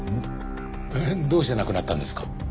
えっどうして亡くなったんですか？